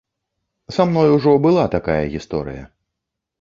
Са мной ужо была такая гісторыя.